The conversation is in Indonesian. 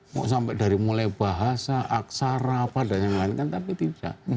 mau sampai dari mulai bahasa aksara apa dan yang lain kan tapi tidak